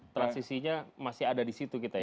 transisinya masih ada disitu kita ya